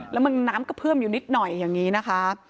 แล้วมันน้ำกระเพื่อมอยู่นิดหน่อยอย่างนี้นะคะ